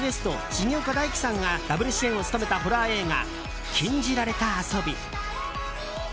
重岡大毅さんがダブル主演を務めたホラー映画「禁じられた遊び」。